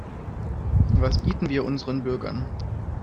Was bieten wir unseren Bürgern?